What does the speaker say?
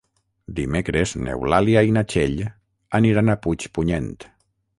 Dimecres n'Eulàlia i na Txell aniran a Puigpunyent.